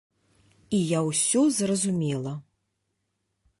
І я ўсё зразумела.